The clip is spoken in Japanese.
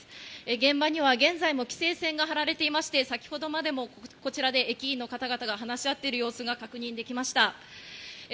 現場には現在も規制線が張られていまして、先ほどまでもこちらで駅員のかたがたが話し合っている様子が確認できました。